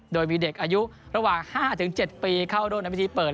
โดยมีเด็กอายุระหว่าง๕๗ปีเข้าร่วมในพิธีเปิด